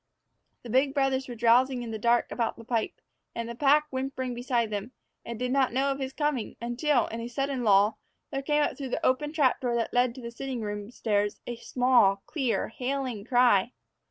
The big brothers were drowsing in the dark about the pipe, with the pack whimpering beside them, and did not know of his coming until, in a sudden lull, there came up through the open trap door that led to the sitting room stairs a small, clear, hailing cry.